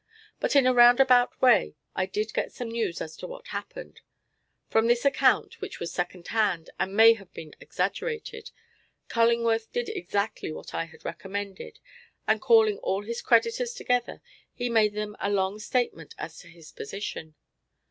But in a roundabout way I did get some news as to what happened. From this account, which was second hand, and may have been exaggerated, Cullingworth did exactly what I had recommended, and calling all his creditors together he made them a long statement as to his position.